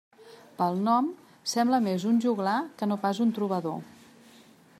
Pel nom, sembla més un joglar que no pas un trobador.